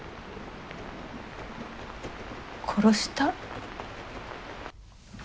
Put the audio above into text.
殺した？